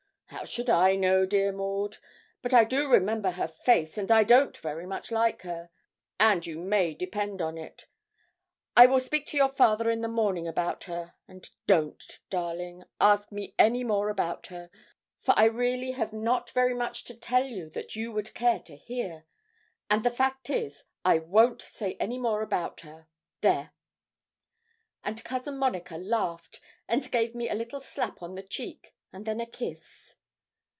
'How should I know, dear Maud? But I do remember her face, and I don't very much like her, and you may depend on it, I will speak to your father in the morning about her, and don't, darling, ask me any more about her, for I really have not very much to tell that you would care to hear, and the fact is I won't say any more about her there!' And Cousin Monica laughed, and gave me a little slap on the cheek, and then a kiss.